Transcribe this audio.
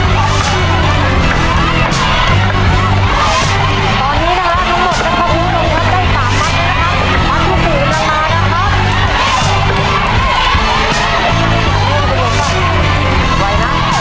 ภายในเวลา๓นาที